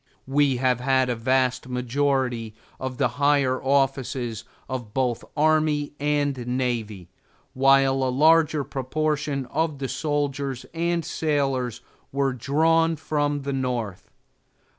We have had a vast majority of the higher offices of both army and navy, while a larger proportion of the soldiers and sailors were drawn from the North.